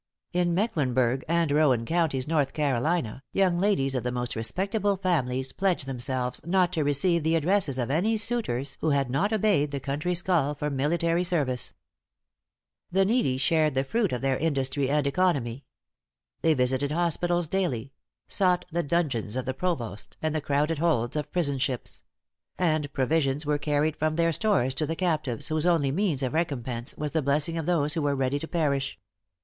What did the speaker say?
In Mecklenburgh and Rowan counties, North Carolina, young ladies of the most respectable families pledged themselves not to receive the addresses of any suitors who had not obeyed the country's call for military service. * New Jersey Gazette, October 11th, 1780. The needy shared the fruit of their industry and economy. They visited hospitals daily; sought the dungeons of the provost, and the crowded holds of prison ships; and provisions were carried from their stores to the captives whose only means of recompense was the blessing of those who were ready to perish.